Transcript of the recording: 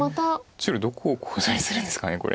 白どこをコウ材にするんですかこれ。